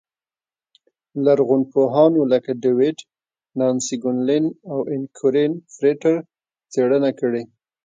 لرغونپوهانو لکه ډېوېډ، نانسي ګونلین او ان کورېن فرېټر څېړنه کړې